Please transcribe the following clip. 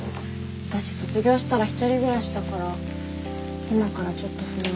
私卒業したら１人暮らしだから今からちょっと不安。